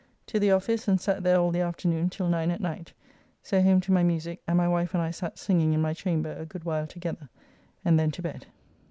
To the office, and sat there all the afternoon till 9 at night. So home to my musique, and my wife and I sat singing in my chamber a good while together, and then to bed.